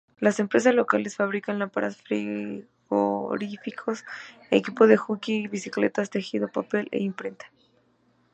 Las empresas locales fabrican lámparas, frigoríficos, equipo de hockey, bicicletas, tejido, papel e imprenta.